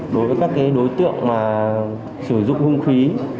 đối với các đối tượng sử dụng hung khí